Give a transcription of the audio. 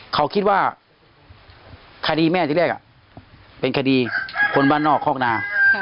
เขาคิดว่าคดีแม่ที่แรกเป็นคดีคนบ้านนอกคอกนา